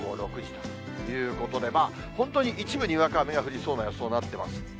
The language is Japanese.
ということで、本当に一部にわか雨が降りそうな予想になってます。